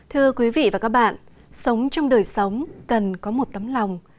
thưa quý vị và các bạn sống trong đời sống cần có một tấm lòng